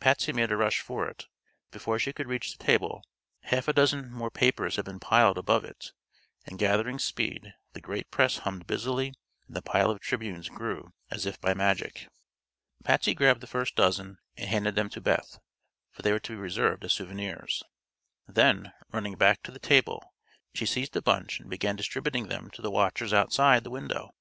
Patsy made a rush for it, but before she could reach the table half a dozen more papers had been piled above it, and gathering speed the great press hummed busily and the pile of Tribunes grew as if by magic. Patsy grabbed the first dozen and handed them to Beth, for they were to be reserved as souvenirs. Then, running back to the table, she seized a bunch and began distributing them to the watchers outside the window.